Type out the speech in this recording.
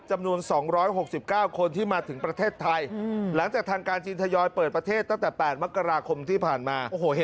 ใช่แล้วนี้เมื่อวานนี้เที่ยวบินแรกก็มาจากเซียเหมิญนะนะคะ